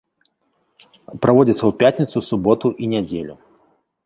Праводзяцца ў пятніцу, суботу і нядзелю.